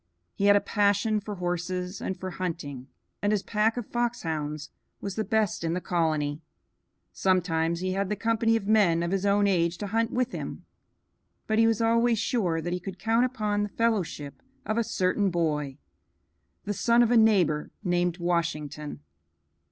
He had a passion for horses and for hunting, and his pack of foxhounds was the best in the colony. Sometimes he had the company of men of his own age to hunt with him, but he was always sure that he could count upon the fellowship of a certain boy, the son of a neighbor, named Washington.